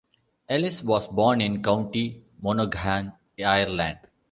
Ellis was born in County Monaghan, Ireland.